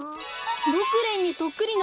モクレンにそっくりの。